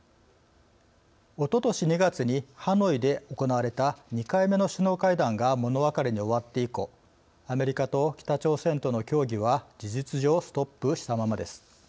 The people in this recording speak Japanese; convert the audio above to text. おととし２月にハノイで行われた２回目の首脳会談が物別れに終わって以降アメリカと北朝鮮との協議は事実上ストップしたままです。